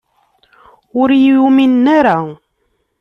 Ur iyi-uminen ara.